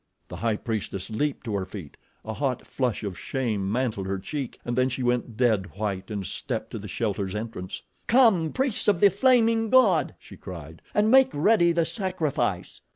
The High Priestess leaped to her feet. A hot flush of shame mantled her cheek and then she went dead white and stepped to the shelter's entrance. "Come, Priests of the Flaming God!" she cried, "and make ready the sacrifice."